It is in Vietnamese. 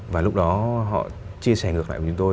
và lúc đó họ chia sẻ ngược lại với chúng tôi